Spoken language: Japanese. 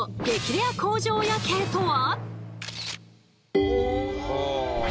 レア工場夜景とは？